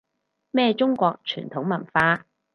咩中國傳統文化